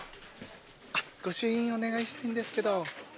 御朱印お願いしたいんですけど。